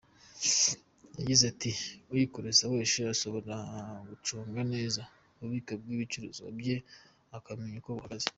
Yagize ati “Uyikoresha wese ashobora gucunga neza ububiko bw’ibicuruzwa bye, akamenya uko buhagaze.